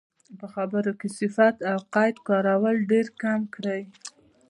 په خبرو کې صفت او قید کارول ډېرکم کړئ.